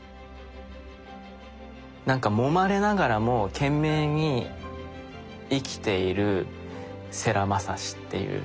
なんかもまれながらも懸命に生きている世良雅志っていう。